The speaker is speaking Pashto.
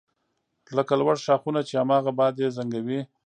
لکه لوړ ښاخونه چې هماغه باد یې زنګوي